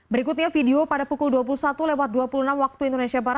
berikutnya video pada pukul dua puluh satu dua puluh enam wib